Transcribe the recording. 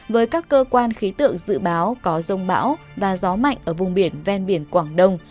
với các cơ quan khí tượng dự báo có rông bão và gió mạnh ở vùng biển ven biển quảng đông